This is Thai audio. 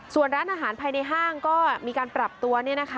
ส่วนร้านอาหารภายในห้างก็มีการปรับตัว